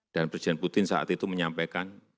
dan presiden putin saat itu menyampaikan